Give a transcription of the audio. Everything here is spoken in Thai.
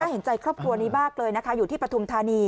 แกยังใจครอบครัวนี้บ้างเลยนะคะอยู่ที่ประธุมธานี